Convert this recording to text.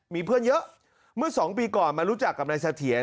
มีเพื่อนเยอะเมื่อ๒ปีก่อนมารู้จักกับนายเสถียร